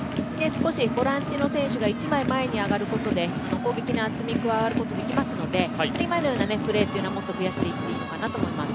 少しボランチの選手が一枚前に上がることで攻撃の厚み加わることができますので今のようなプレーをもっと増やしてもいいかなと思います。